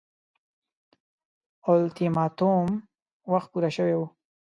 اولتیماتوم وخت پوره شوی وو.